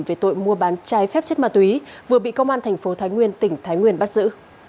về tội mua bán trái phép chất ma túy vừa bị công an thành phố thái nguyên tỉnh thái nguyên bắt giữ